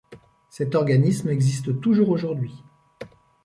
Cet organisme existe toujours aujourd’hui.